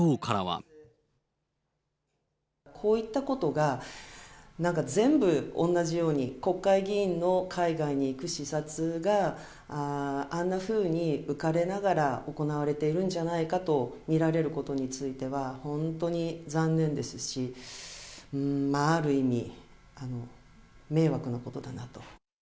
こういったことが、なんか全部同じように、国会議員の海外に行く視察が、あんなふうに浮かれながら行われているんじゃないかと見られることについては、本当に残念ですし、ある意味、迷惑なことだなと。